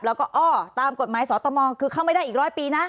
แล้วก็อ้อตามกฎหมายสตมคือเข้าไม่ได้อีกร้อยปีนะ